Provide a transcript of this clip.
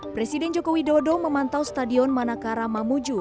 presiden joko widodo memantau stadion manakara mamuju